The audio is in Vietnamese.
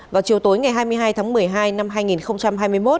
vào chiều tối ngày hai mươi hai tháng một mươi hai năm hai nghìn hai mươi một